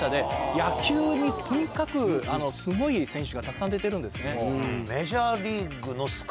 野球にとにかくすごい選手がたくさん出てるんですね。